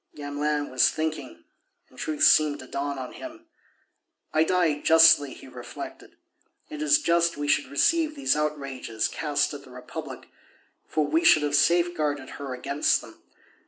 Gamelin was thinking, and truth seemed to dawn on him. "I die justly," he reflected. "It is just we should receive these outrages cast at the Republic, for we should have safeguarded her against them.